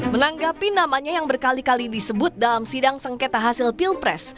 menanggapi namanya yang berkali kali disebut dalam sidang sengketa hasil pilpres